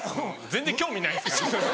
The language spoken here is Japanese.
全然興味ないですよ。